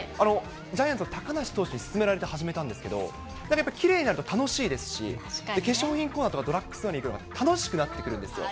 ジャイアンツの高梨投手に勧められて始めたんですけど、やっぱりきれいになると楽しいですし、化粧品ストアとかドラッグストアに行くのが楽しくなってくるんですよ。